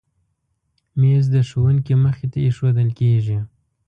مېز د ښوونکي مخې ته ایښودل کېږي.